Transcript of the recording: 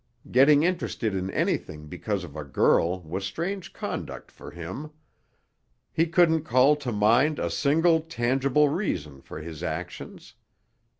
Getting interested in anything because of a girl was strange conduct for him. He couldn't call to mind a single tangible reason for his actions.